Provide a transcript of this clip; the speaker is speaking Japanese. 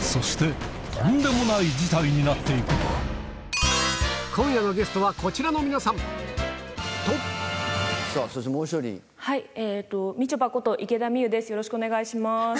そして今夜のゲストはこちらの皆さんとよろしくお願いします。